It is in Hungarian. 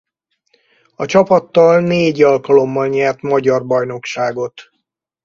A csapattal négy alkalommal nyert magyar bajnokságot.